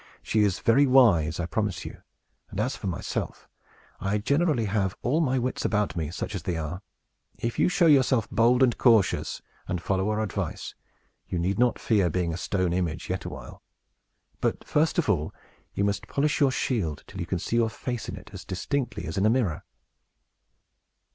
"She is very wise, I promise you; and as for myself, I generally have all my wits about me, such as they are. If you show yourself bold and cautious, and follow our advice, you need not fear being a stone image yet awhile. But, first of all, you must polish your shield, till you can see your face in it as distinctly as in a mirror."